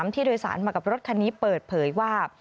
ที่โดยสารมากับรถคันนี้เปิดเผยว่า